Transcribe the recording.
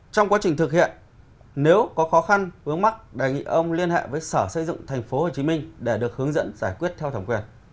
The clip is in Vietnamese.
trong quá trình thực hiện nếu có khó khăn vướng mắt đề nghị ông liên hệ với sở xây dựng tp hcm để được hướng dẫn giải quyết theo thẩm quyền